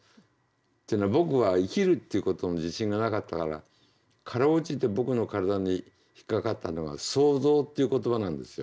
っていうのは僕は生きるっていうことの自信がなかったから辛うじて僕の体に引っ掛かったのは「創造」っていう言葉なんですよ。